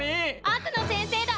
悪の先生だ！